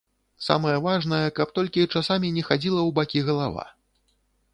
Самае важнае, каб толькі часамі не хадзіла ў бакі галава.